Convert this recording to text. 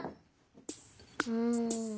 うん。